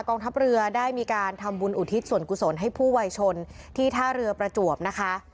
กองทัพเรือได้มีการทำบุญอุทิศส่วนกุศลให้ผู้วัยชนที่ท่าเรือประจวบนะคะ